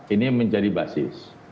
ini menjadi basis